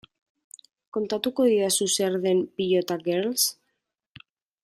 Kontatuko didazu zer den Pilota Girls?